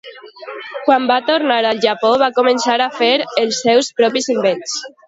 Quan va tornar al Japó va començar a fer els seus propis invents.